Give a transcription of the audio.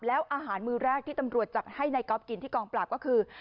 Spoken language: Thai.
แล้วอาหารมือแรกที่ตำรวจจัดให้นายก๊อฟกินที่กองปราบก็คือ